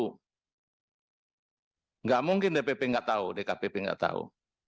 tidak mungkin dkpp tidak tahu